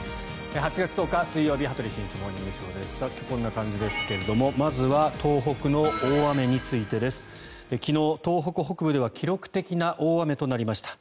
８月１０日、水曜日「羽鳥慎一モーニングショー」。今日はこんな感じですけれどもまずは東北の大雨についてです。昨日、東北北部では記録的な大雨となりました。